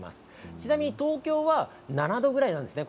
ちなみに東京は７度ぐらいなんですよね